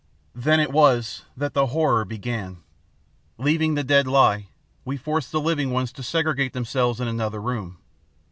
"Then it was that the horror began. Leaving the dead lie, we forced the living ones to segregate themselves in another room.